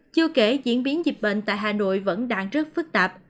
chưa kể diễn biến dịch bệnh tại hà nội vẫn đang rất phức tạp